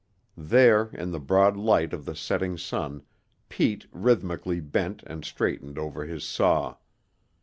There, in the broad light of the setting sun, Pete rhythmically bent and straightened over his saw.